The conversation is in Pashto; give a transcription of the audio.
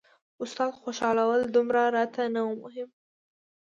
استاد خوشحالول دومره راته نه وو مهم.